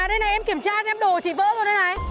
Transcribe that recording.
đây này em kiểm tra xem đồ chị vỡ rồi đây này